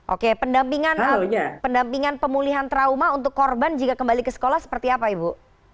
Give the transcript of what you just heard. oke pendampingan pemulihan trauma untuk korban jika kembali ke sekolah seperti apa ibu